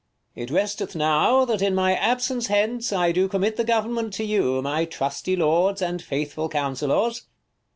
It resteth now, that in my absence hence, I do commit the government to you, 50 My trusty lords and faithful counsellors.